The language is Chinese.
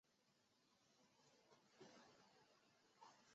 叶城沙蜥为鬣蜥科沙蜥属的爬行动物。